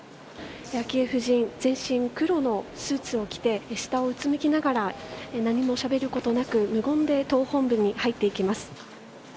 全身黒のスーツを着て下をうつむきながら何もしゃべることなく無言で党本部に入っていきます。